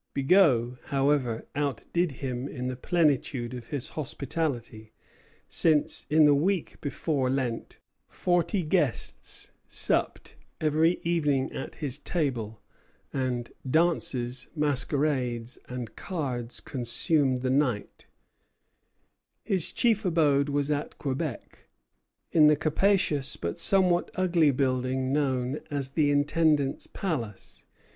Bigot, however, outdid him in the plenitude of his hospitality, since, in the week before Lent, forty guests supped every evening at his table, and dances, masquerades, and cards consumed the night. Franquet, Journal. His chief abode was at Quebec, in the capacious but somewhat ugly building known as the Intendant's Palace.